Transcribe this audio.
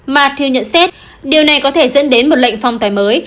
mathieu nhận xét điều này có thể dẫn đến một lệnh phong tài mới